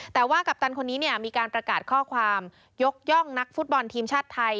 แต่ว่ากัปตันคนนี้มีการประกาศข้อความยกย่องนักฟุตบอลทีมชาติไทย